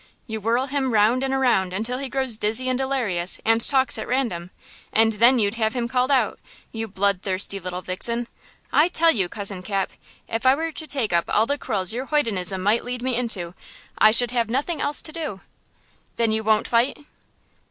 You whirl him round and around until he grows dizzy and delirious, and talks at random, and then you'd have him called out, you blood thirsty little vixen! I tell you, Cousin Cap, if I were to take up all the quarrels your hoydenism might lead me into, I should have nothing else to do!" "Then you won't fight!"